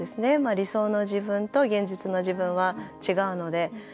理想の自分と現実の自分は違うので。